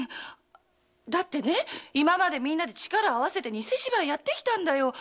今までみんなで力を合わせてニセ芝居やってきたんだよ。